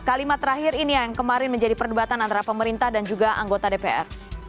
kalimat terakhir ini yang kemarin menjadi perdebatan antara pemerintah dan juga anggota dpr